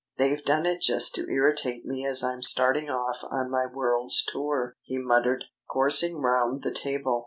"They've done it just to irritate me as I'm starting off on my world's tour," he muttered, coursing round the table.